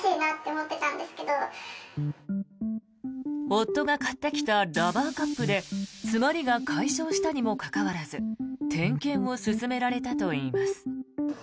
夫が買ってきたラバーカップで詰まりが解消したにもかかわらず点検を勧められたといいます。